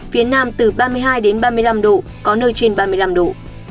phía nam từ ba mươi hai đến ba mươi năm độ có nơi trên ba mươi năm độ